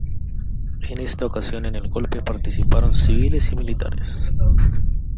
En esta ocasión en el golpe participaron civiles y militares.